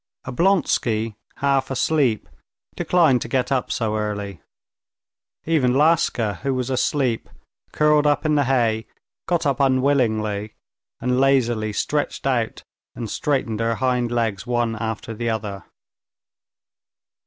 Oblonsky, half asleep, declined to get up so early. Even Laska, who was asleep, curled up in the hay, got up unwillingly, and lazily stretched out and straightened her hind legs one after the other.